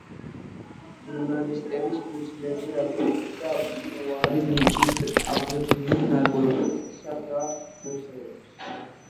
ჟურნალების ფურცლებზე აქვეყნებდა უტყუარი ნიჭით აღბეჭდილ ნარკვევებსა და მოთხრობებს.